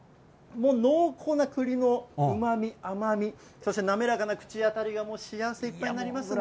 もう濃厚な栗のうまみ、甘み、そして滑らかな口当たりがもう幸せいっぱいになりますね。